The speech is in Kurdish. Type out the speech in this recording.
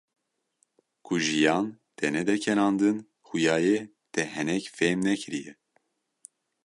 Ku jiyan te nede kenandin, xuya ye te henek fêm nekiriye.